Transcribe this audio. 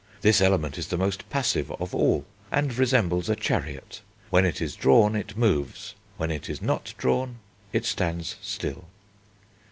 This Element is the most passive of all, and resembles a chariot; when it is drawn, it moves; when it is not drawn, it stands still."